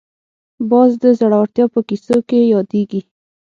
باز د زړورتیا په کیسو کې یادېږي